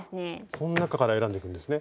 この中から選んでいくんですね。